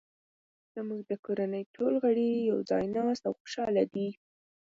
زموږ د کورنۍ ټول غړي یو ځای ناست او خوشحاله دي